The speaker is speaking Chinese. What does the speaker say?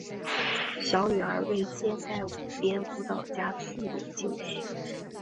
小女儿为现代舞编舞家富野幸绪。